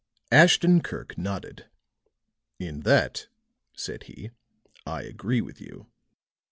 Ashton Kirk nodded. "In that," said he, "I agree with you."